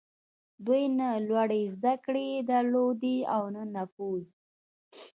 دوی نه لوړې زدهکړې درلودې او نه نفوذ.